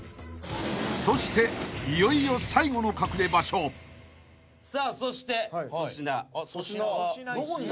［そしていよいよ最後の隠れ場所］さあそして粗品。